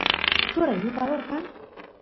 turay yupador kan